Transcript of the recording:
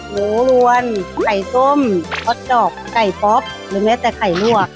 หมูลวนไข่ส้มทอดดอกไก่ป๊อปหรือแม้แต่ไข่ลวก